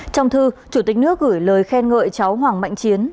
trong thư chủ tịch nước gửi lời khen ngợi cháu hoàng mạnh chiến